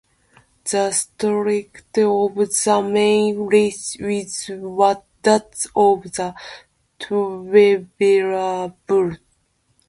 The structure of the main riff is that of the twelve-bar blues.